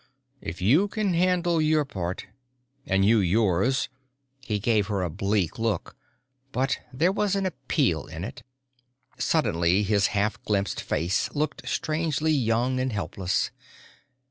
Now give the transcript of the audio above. If you can handle your part...." "And you yours." He gave her a bleak look, but there was an appeal in it. Suddenly his half glimpsed face looked strangely young and helpless.